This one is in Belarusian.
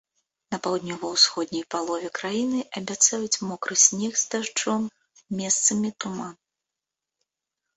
На паўднёва-усходняй палове краіны абяцаюць мокры снег з дажджом, месцамі туман.